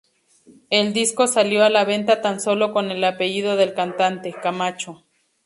El disco salió a la venta tan sólo con el apellido del cantante: "Camacho".